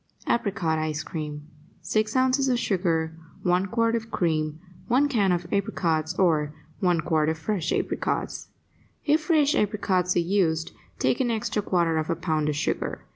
APRICOT ICE CREAM 6 ounces of sugar 1 quart of cream 1 can of apricots or 1 quart of fresh apricots If fresh apricots are used, take an extra quarter of a pound of sugar.